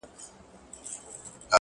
پوهه د پرېکړو وزن روښانه کوي’